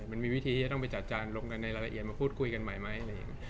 มันมีวิธีที่จะต้องไปจัดจานลงกันในรายละเอียดมาพูดคุยกันใหม่ไหมอะไรอย่างนี้